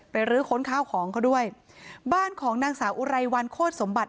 รื้อค้นข้าวของเขาด้วยบ้านของนางสาวอุไรวันโคตรสมบัติ